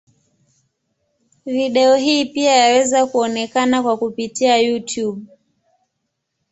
Video hii pia yaweza kuonekana kwa kupitia Youtube.